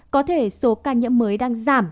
có thể số ca nhiễm mới đang giảm